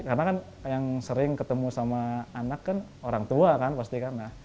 karena kan yang sering ketemu sama anak kan orang tua kan pasti karena